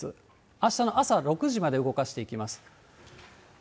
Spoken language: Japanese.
あしたの朝６時まで動かしていきます。